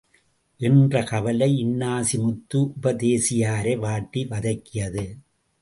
என்ற கவலை இன்னாசிமுத்து உபதேசியாரை வாட்டி வதக்கியது.